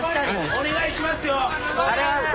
お願いしますよ。